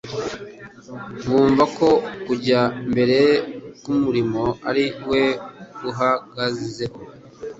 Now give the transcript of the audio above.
bumva ko kujya mbere k’umurimo ari we guhagazeho,